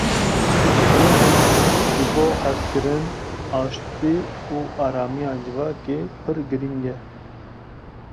Cejin ji bo hezkirin, aştî û aramiya civakê pir giring e.